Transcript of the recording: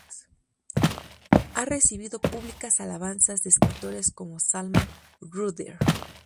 Ha recibido públicas alabanzas de escritores como Salman Rushdie.